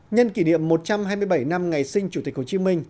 nhân kỷ niệm một trăm hai mươi bảy năm ngày sinh chủ tịch hồ chí minh